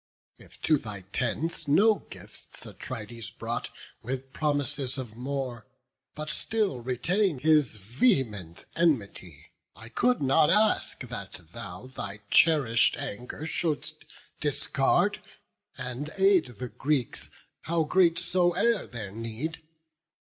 If to thy tent no gifts Atrides brought, With promises of more, but still retain'd His vehement enmity, I could not ask That thou thy cherish'd anger shouldst discard, And aid the Greeks, how great so e'er their need.